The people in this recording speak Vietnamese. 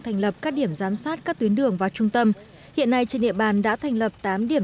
thành lập các điểm giám sát các tuyến đường vào trung tâm hiện nay trên địa bàn đã thành lập tám điểm